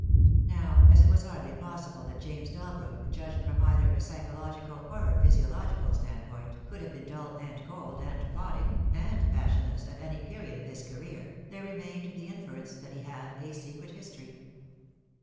Now, as it was hardly possible that James Dalbrook, judged from either a psychological or a physiological standpoint, could have been dull and cold, and plodding, and passionless, at any period of his career, there re mained the inference that he had a secret history.